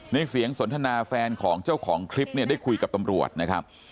ในเสียงสนทนาแฟนของเจ้าของคลิปเนี่ยได้คุยกับตำรวจนะครับ